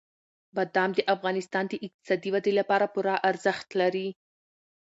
بادام د افغانستان د اقتصادي ودې لپاره پوره ارزښت لري.